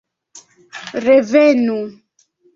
Revenu!